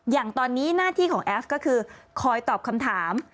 อย่างตอนนี้หน้าที่ของแอฟก็คือคอยตอบคำถาม